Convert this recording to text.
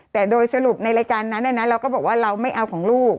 แต่โดยสรุปในรายการนั้นเราก็บอกว่าเราไม่เอาของลูก